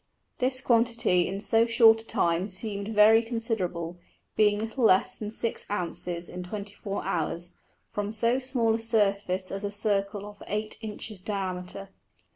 This Quantity in so short a time seem'd very considerable, being little less than 6 ounces in 24 hours, from so small a Surface as a Circle of 8 inches Diameter.